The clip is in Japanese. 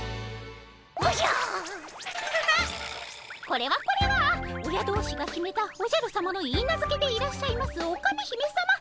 これはこれは親同士が決めたおじゃるさまのいいなずけでいらっしゃいますオカメ姫さま。